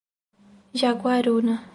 Jaguaruna